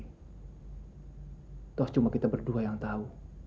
toh cuma kita berdua yang tahu